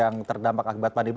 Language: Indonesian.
yang terdampak akibat pandemi